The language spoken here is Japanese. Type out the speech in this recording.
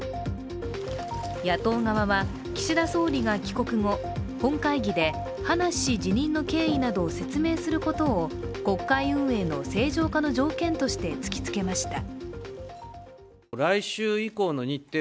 野党側は岸田総理が帰国後、本会議で葉梨氏辞任の経緯などを説明することを、国会運営の正常化の条件として突きつけました。